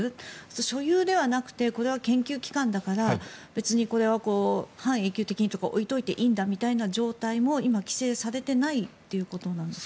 所有ではなくてこれは研究機関だから別にこれは半永久的に置いておいていいんだという状態も今、規制されていないということなんですか？